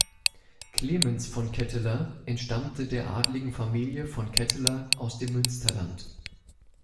Clemens von Ketteler entstammte der adeligen Familie von Ketteler aus dem Münsterland.